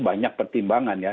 banyak pertimbangan ya